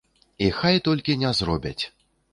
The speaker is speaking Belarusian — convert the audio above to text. І хай толькі не зробяць.